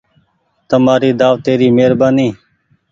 تمآري دآوتي ري مهربآني ۔